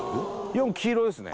４黄色ですね